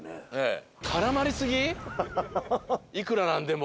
いくらなんでも。